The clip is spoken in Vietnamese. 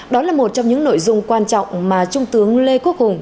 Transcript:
đó là một trong những nội dung quan trọng mà trung tướng lê quốc hùng